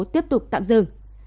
tiếp tục tạm dừng